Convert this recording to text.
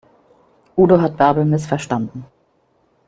Udo hat Bärbel missverstanden.